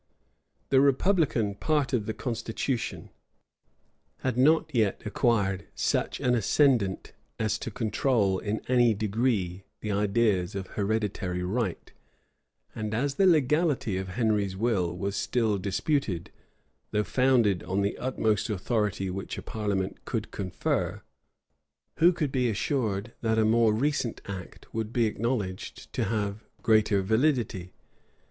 The republican part of the constitution had not yet acquired such an ascendant as to control, in any degree, the ideas of hereditary right, and as the legality of Henry's will was still disputed, though founded on the utmost authority which a parliament could confer, who could be assured that a more recent act would be acknowledged to have greater validity?